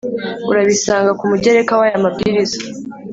Urabisanga ku mugereka w’aya mabwiriza